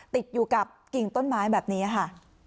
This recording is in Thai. ติดอยู่กับกิ่งต้นไม้แบบนี้ค่ะ